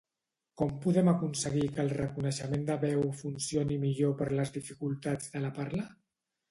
Com podem aconseguir que el reconeixement de veu funcioni millor per les dificultats de la parla?